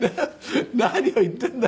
「何を言ってんだ。